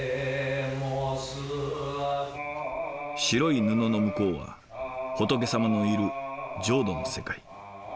白い布の向こうは仏様のいる浄土の世界。